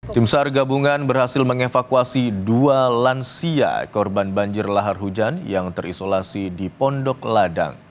tim sar gabungan berhasil mengevakuasi dua lansia korban banjir lahar hujan yang terisolasi di pondok ladang